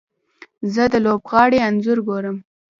زه د لوبغاړي انځور ګورم.